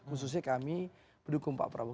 khususnya kami pendukung pak prabowo